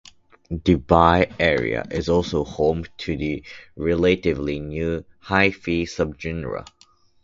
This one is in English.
The Bay Area is also home to the relatively new "Hyphy" subgenre.